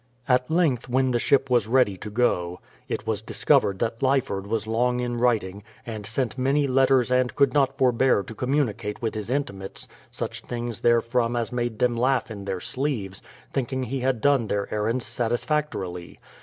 At length, when the ship was ready to go, it was dis covered that Lyford was long in writing, and sent many letters and could not forbear to communicate with his in timates such things therefrom as made them laugh in their sleeves, thinking he had done their errands satisfactorily.